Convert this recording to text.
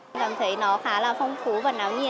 em cảm thấy nó khá là phong phú và náo nhiệt